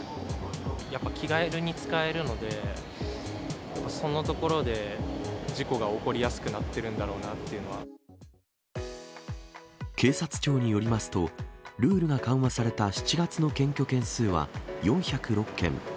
やっぱ気軽に使えるので、そのところで事故が起こりやすくなっているんだろうなっていうの警察庁によりますと、ルールが緩和された７月の検挙件数は４０６件。